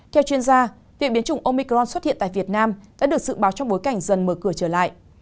theo chuyên gia viện biến chủng omicron xuất hiện tại việt nam đã được dự báo trong bối cảnh dần mở cửa trở lại